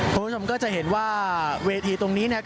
คุณผู้ชมก็จะเห็นว่าเวทีตรงนี้เนี่ย